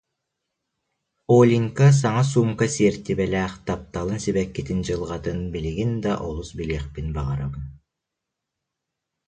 Оленька саҥа суумка сиэртибэлээх тапталын сибэккитин дьылҕатын билигин да олус билиэхпин баҕарабын